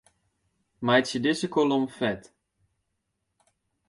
Meitsje dizze kolom fet.